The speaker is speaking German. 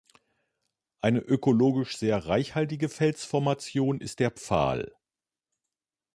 Eine ökologisch sehr reichhaltige Felsformation ist der Pfahl.